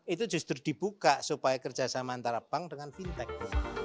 itu justru dibuka supaya kerjasama antara bank dengan fintech